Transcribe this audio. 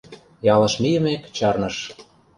Ялыш мийымек чарныш.